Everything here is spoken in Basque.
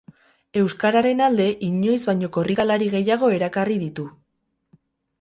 Euskararen alde inoiz baino korrikalari gehiago erakarri ditu.